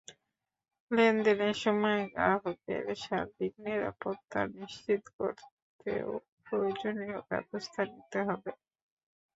লেনদেনের সময় গ্রাহকের সার্বিক নিরাপত্তা নিশ্চিত করতেও প্রয়োজনীয় ব্যবস্থা নিতে হবে।